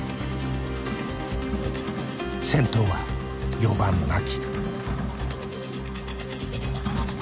先頭は４番牧。